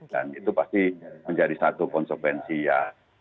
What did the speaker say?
dan itu pasti menjadi satu konsupensi ya